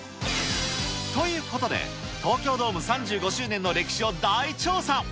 ということで、東京ドーム３５周年の歴史を大調査。